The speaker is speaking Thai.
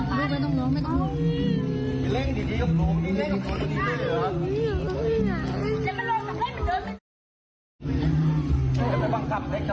ครั้งต่าง